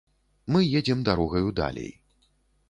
Мы едзем дарогаю далей.